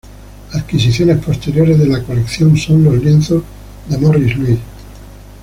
Adquisiciones posteriores de la colección son los lienzos de Morris Louis.